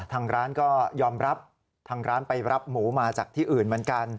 ทางร้านก็ยอมรับทางร้านไปรับหมูมาจากที่อื่นเหมือนกัน